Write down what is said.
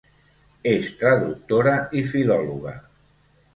És traductora i filòloga.